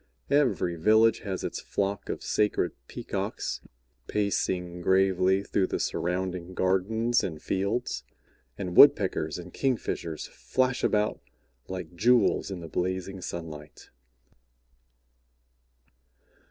Every village has its flock of sacred Peacocks pacing gravely through the surrounding gardens and fields, and Woodpeckers and Kingfishers flash about like jewels in the blazing sunlight."